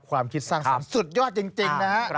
ความคิดสร้างสรรค์สุดยอดจริงนะฮะ